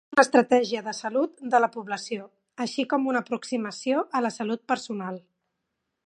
És una estratègia de salut de la població, així com una aproximació a la salut personal.